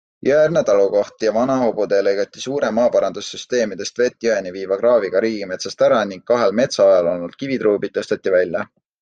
Jõeäärne talukoht ja vana hobutee lõigati suure, maaparandussüsteemidest vett jõeni viiva kraaviga riigimetsast ära ning kahel metsaojal olnud kivitruubid tõsteti välja.